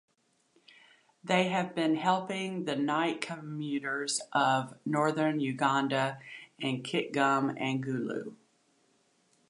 They have been helping the Night Commuters of Northern Uganda in Kitgum and Gulu.